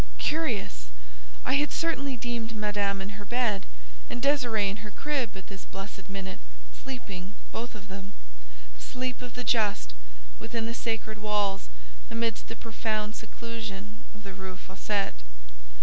Curious! I had certainly deemed Madame in her bed, and Désirée in her crib, at this blessed minute, sleeping, both of them, the sleep of the just, within the sacred walls, amidst the profound seclusion of the Rue Fossette.